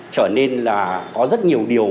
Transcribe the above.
trở nên là có rất nhiều điều